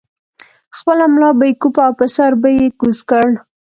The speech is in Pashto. خپله ملا به یې کوپه او سر به یې کوز کړ.